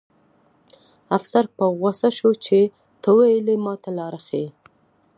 افسر په غوسه شو چې ته ولې ماته لاره ښیې